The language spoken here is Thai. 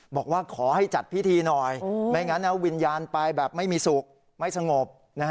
บอกว่าขอให้จัดพิธีหน่อยไม่งั้นวิญญาณไปแบบไม่มีสุขไม่สงบ